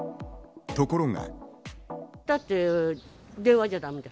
ところが。